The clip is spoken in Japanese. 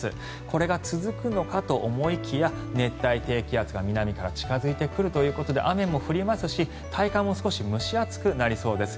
これが続くのかと思いきや熱帯低気圧が南から近付いてくるということで雨も降りますし、体感も少し蒸し暑くなりそうです。